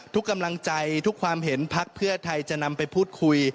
ทุกกำลังใจทุกความเห็นพักเพื่อไทยจะนำไปพูดคุย